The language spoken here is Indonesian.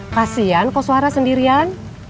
kasian kau suara sendirian